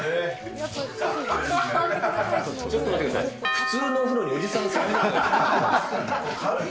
普通のお風呂におじさん３人。